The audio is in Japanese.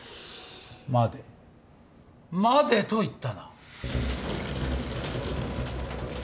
まで？までと言ったな。